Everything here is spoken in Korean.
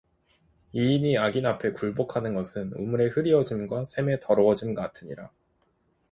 의인이 악인 앞에 굴복하는 것은 우물의 흐리어짐과 샘의 더러워 짐 같으니라